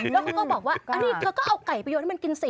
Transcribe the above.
แล้วเขาก็บอกว่าเขาก็เอาไก่ไปโยนมันกินสิ